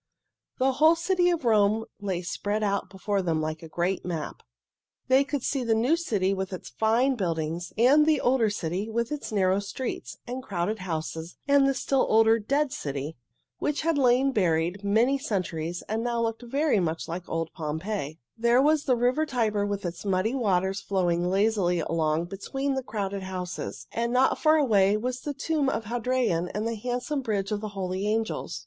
The whole city of Rome lay spread out before them like a great map. They could see the new city with its fine buildings, and the older city with its narrow streets and crowded houses, and the still older, dead city, which had lain buried many centuries and now looked very much like old Pompeii. [Illustration: The whole city of Rome lay spread out before them] There was the river Tiber with its muddy water flowing lazily along between the crowded houses. And not far away was the Tomb of Hadrian and the handsome Bridge of the Holy Angels.